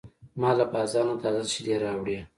ما له بازار نه تازه شیدې راوړې.